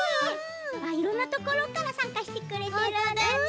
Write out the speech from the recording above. いろんなところからさんかしてくれてるんだね。